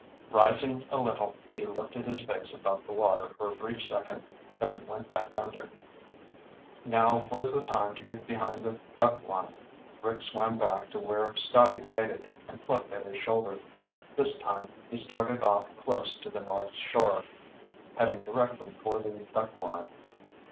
Rising a little, he lifted his face above the water for a brief second, then went back under. Now was the time to get behind the duck blind. Rick swam back to where Scotty waited, and plucked at his shoulder. This time he started off close to the north shore, heading directly for the duck blind.